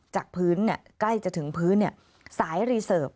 จากพื้นใกล้จะถึงพื้นสายรีเสิร์ฟ